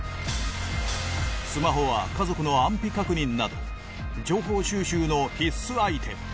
スマホは家族の安否確認など情報収集の必須アイテム